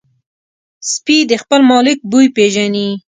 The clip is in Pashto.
سپي د خپل مالک بوی پېژني.